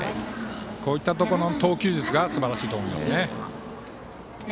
こういったところの投球術がすばらしいと思いますね。